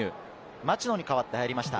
町野に代わって入りました。